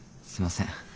すみません。